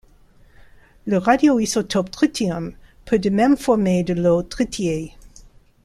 Le radioisotope tritium peut de même former de l'eau tritiée.